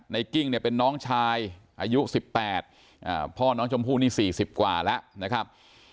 กิ้งเนี่ยเป็นน้องชายอายุ๑๘พ่อน้องชมพู่นี่๔๐กว่าแล้วนะครับ